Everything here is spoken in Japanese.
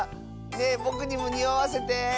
ねえぼくにもにおわせて！